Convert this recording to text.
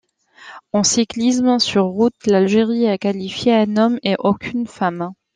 En cyclisme sur route, l'Algérie a qualifié un homme et aucune femme.